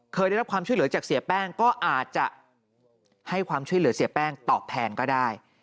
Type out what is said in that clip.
ได้รับความช่วยเหลือจากเสียแป้งก็อาจจะให้ความช่วยเหลือเสียแป้งตอบแทนก็ได้